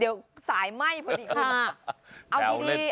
เดี๋ยวสายไหม้พอดีค่ะ